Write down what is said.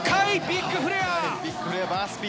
ビッグフレア！